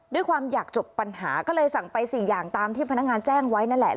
ด้วยความอยากจบปัญหาก็เลยสั่งไป๔อย่างตามที่พนักงานแจ้งไว้นั่นแหละ